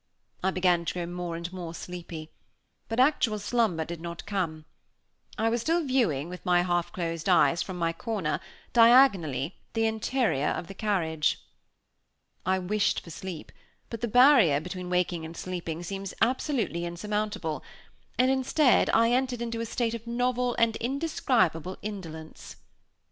I began to grow more and more sleepy. But actual slumber did not come. I was still viewing, with my half closed eyes, from my corner, diagonally, the interior of the carriage. I wished for sleep; but the barrier between waking and sleeping seemed absolutely insurmountable; and, instead, I entered into a state of novel and indescribable indolence.